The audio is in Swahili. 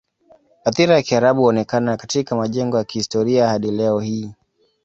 Athira ya Kiarabu huonekana katika majengo ya kihistoria hadi leo hii.